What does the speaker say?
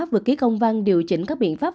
vừa ký công văn điều chỉnh các biện pháp